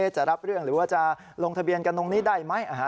จะรับเรื่องหรือว่าจะลงทะเบียนกันตรงนี้ได้ไหม